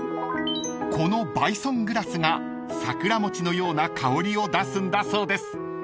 ［このバイソングラスが桜餅のような香りを出すんだそうです］